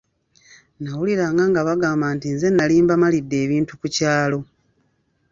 Nnawuliranga ng’abagamba nti nze nnali mbamalidde ebintu ku kyalo.